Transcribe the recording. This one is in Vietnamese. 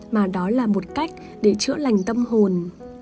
mà đó là một cách để chữa lành tâm hồn